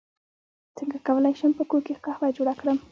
څنګه کولی شم په کور کې قهوه جوړه کړم